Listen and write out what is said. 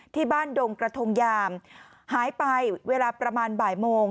ดงกระทงยามหายไปเวลาประมาณบ่ายโมง